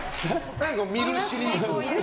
何この見るシリーズ。